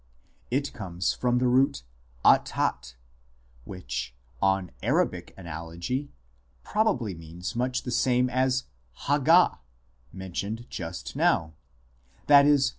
It comes from a root attat, which, on Arabic analogy, probably means much the same as hagah, mentioned just now, i.e.